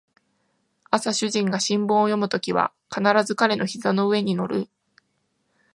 朝主人が新聞を読むときは必ず彼の膝の上に乗る